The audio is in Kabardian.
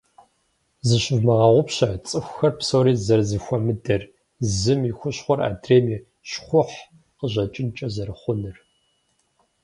Зыщывмыгъэгъупщэ цӏыхухэр псори зэрызэхуэмыдэр, зым и хущхъуэр адрейм и щхъухьу къыщӏэкӏынкӏэ зэрыхъунур.